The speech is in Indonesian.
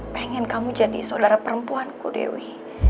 pengen kamu jadi sodara perempuan ku dewi